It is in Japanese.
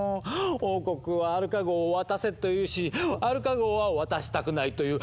王国はアルカ号を渡せと言うしアルカ号は渡したくないと言う。